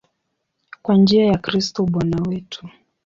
Kwa njia ya Kristo Bwana wetu.